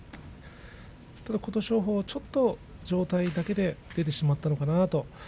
琴勝峰はちょっと上体だけで出てしまったのかなと。